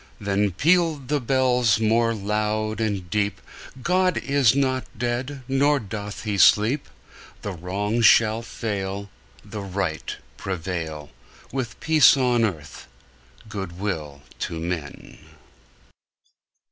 Then pealed the bells more loud and deep: "God is not dead; nor doth he sleep! The Wrong shall fail, The Right prevail, With peace on earth, good will to men!"